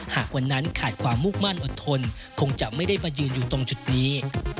หากวันนั้นขาดความมุ่งมั่นอดทนคงจะไม่ได้มายืนอยู่ตรงจุดนี้